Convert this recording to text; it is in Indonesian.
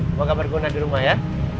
semoga berguna di rumah ya